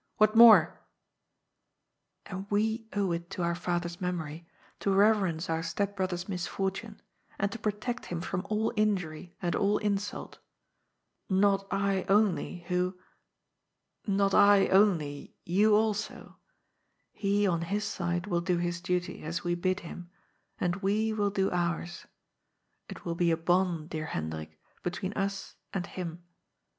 " What more ?"" And we owe it to our father's memory to reverence our step brother's misfortune, and to protect him from all injury and all insult. Not I only who — not I only, you also. He, on his side, will do his duty, as we bid him, and 134 GOD'S FOOL. we will do ours. It will be a bond, dear Hendrik, between ns and him.